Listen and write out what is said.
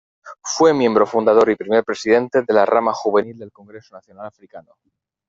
Fue miembro fundador y primer presidente de la rama juvenil del Congreso Nacional Africano.